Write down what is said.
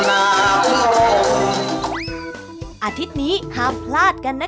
อาทิตย์นี้ห้ามพลาดกันนะ